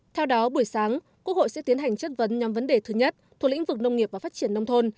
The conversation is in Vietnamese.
theo đó buổi sáng quốc hội sẽ tiến hành chất vấn nhóm vấn đề thứ nhất thuộc lĩnh vực nông nghiệp và phát triển nông thôn